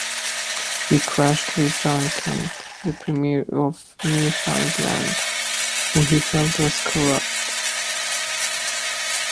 He clashed with John Kent, the premier of Newfoundland, who he felt was corrupt.